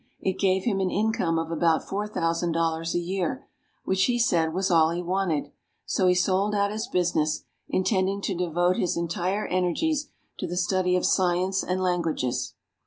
It gave him an income of about four thousand dollars a year, which he said was all he wanted; so he sold out his business, intending to devote his entire energies to the study of science and languages.